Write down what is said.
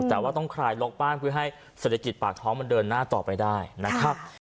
แต่ว่าต้องคลายล็อกบ้านเพื่อให้เศรษฐกิจปากท้องมันเดินหน้าต่อไปได้นะครับ